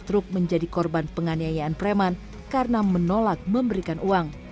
truk menjadi korban penganiayaan preman karena menolak memberikan uang